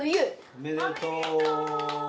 おめでとう！